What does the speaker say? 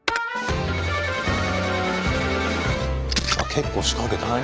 結構仕掛けたな。